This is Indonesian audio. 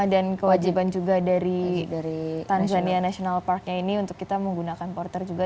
dan kewajiban juga dari tanzania national park ini untuk kita menggunakan porter juga